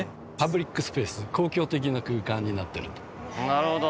なるほど。